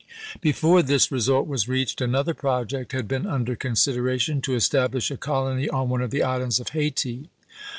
Before this result was reached another project had been under consideration — to establish a colony on one of the islands of Hayti.